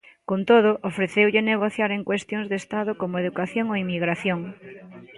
Con todo, ofreceulle negociar en cuestións de Estado como educación ou inmigración.